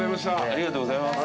ありがとうございます。